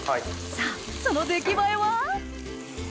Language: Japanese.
さぁその出来栄えは？